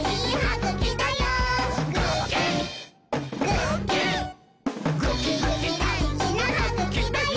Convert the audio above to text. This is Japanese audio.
ぐきぐきだいじなはぐきだよ！」